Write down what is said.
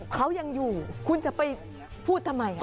เขายังอยู่คุณจะไปพูดทำไม